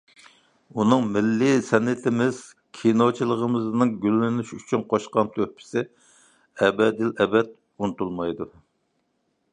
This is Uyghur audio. ئۇنىڭ مىللىي سەنئىتىمىز، كىنوچىلىقىمىزنىڭ گۈللىنىشى ئۈچۈن قوشقان تۆھپىسى ئەبەدىلئەبەد ئۇنتۇلمايدۇ.